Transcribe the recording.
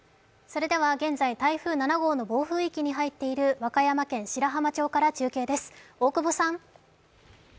現在、台風７号の暴風域に入っている和歌山県白浜町から中継です。